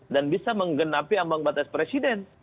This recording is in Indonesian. dan bisa menggenapi ambang batas presiden